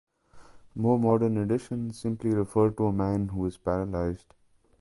More modern editions simply refer to a man who is paralyzed.